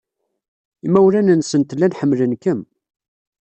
Imawlan-nsent llan ḥemmlen-kem.